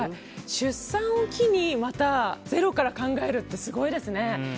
出産を機にまたゼロから考えるってすごいですね。